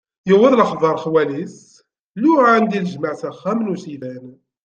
Yewweḍ lexbar xwal-is, luɛan-d i lejmaɛ s axxam n uciban.